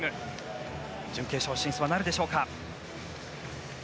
準決勝進出はなるでしょうか。